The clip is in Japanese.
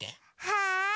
はい！